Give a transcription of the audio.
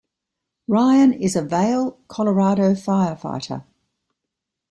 Ryan is a Vail, Colorado firefighter.